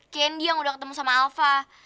kendi yang udah ketemu sama alpha